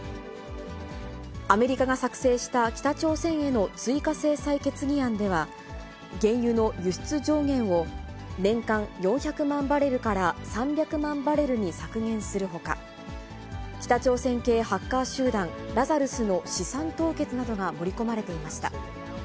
アメリカが作成した北朝鮮への追加制裁決議案では、原油の輸出上限を、年間４００万バレルから３００万バレルに削減するほか、北朝鮮系ハッカー集団、ラザルスの資産凍結などが盛り込まれていました。